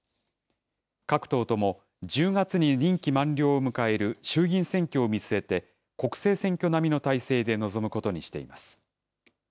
各党とも１０月に任期満了を迎える衆議院選挙を見据えて、国政選挙並みの態勢で臨むことにしています。